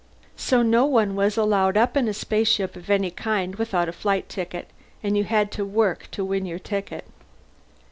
So no one was allowed up in a spaceship of any kind without a flight ticket and you had to work to win your ticket.